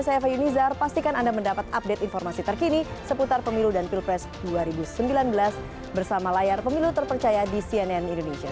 saya fayunizar pastikan anda mendapat update informasi terkini seputar pemilu dan pilpres dua ribu sembilan belas bersama layar pemilu terpercaya di cnn indonesia